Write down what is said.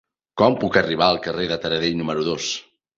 Com puc arribar al carrer de Taradell número dos?